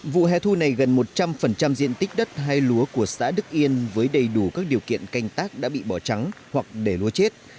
vụ hè thu này gần một trăm linh diện tích đất hay lúa của xã đức yên với đầy đủ các điều kiện canh tác đã bị bỏ trắng hoặc để lúa chết